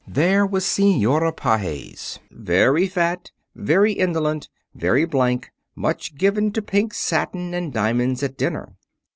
There was Senora Pages, very fat, very indolent, very blank, much given to pink satin and diamonds at dinner.